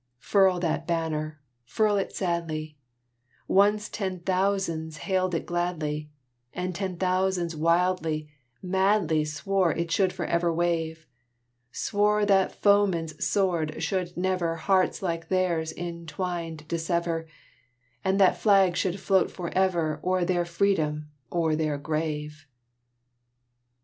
Furl that Banner furl it sadly; Once ten thousands hailed it gladly, And ten thousands wildly, madly Swore it should forever wave Swore that foeman's sword should never Hearts like theirs entwined dissever, And that flag should float forever O'er their freedom, or their grave!